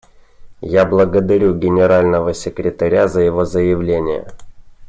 Я благодарю Генерального секретаря за его заявление.